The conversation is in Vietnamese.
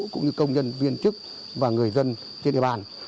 cũng như công nhân viên chức và người dân trên địa bàn